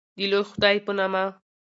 د لوی خدای په نامه